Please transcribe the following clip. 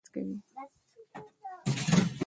خاین به بیا هم خیانت کوي